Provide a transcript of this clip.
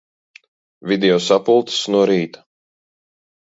Video sapulces no rīta.